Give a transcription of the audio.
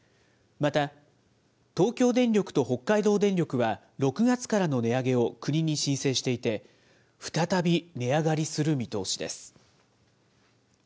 また、東京電力と北海道電力は６月からの値上げを国に申請していて、再び値上がりする見通しです。